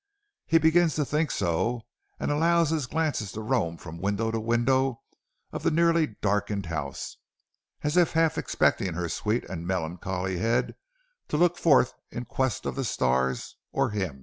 He begins to think so, and allows his glances to roam from window to window of the nearly darkened house, as if half expecting her sweet and melancholy head to look forth in quest of the stars or him.